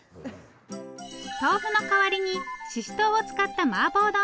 豆腐の代わりにししとうを使ったマーボー丼。